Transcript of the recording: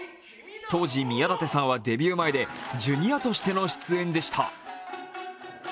当時、宮舘さんはデビュー前でジュニアとしての出演でした。